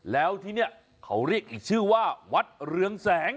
แล้วที่นี่เขาเรียกอีกชื่อว่าวัดเรืองแสง